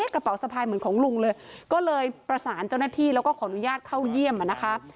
กระเป๋าสะพายเหมือนของลุงเลยก็เลยประสานเจ้าหน้าที่แล้วก็ขออนุญาตเข้าเยี่ยมนะคะ